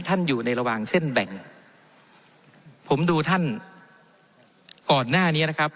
อยู่ในระหว่างเส้นแบ่งผมดูท่านก่อนหน้านี้นะครับ